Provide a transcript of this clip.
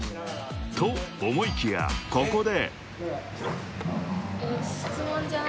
［と思いきやここで］